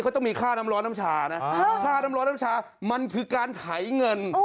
ต้องมีค่าน้ำร้อนน้ำชานะค่าน้ำร้อนน้ำชามันคือการไถเงิน